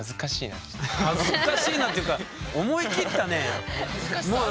恥ずかしいなっていうか思い切ったね。